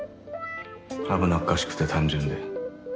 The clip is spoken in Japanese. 危なっかしくて単純で。